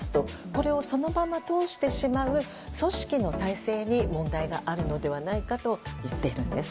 これをそのまま通してしまう組織の体制に問題があるのではないかと言っているんです。